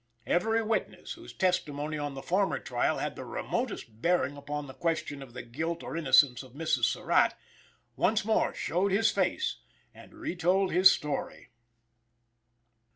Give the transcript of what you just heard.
Every witness, whose testimony on the former trial had the remotest bearing upon the question of the guilt or innocence of Mrs. Surratt, once more showed his face and retold his story.